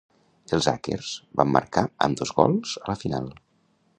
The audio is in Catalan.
Els Akers van marcar ambdós gols a la final.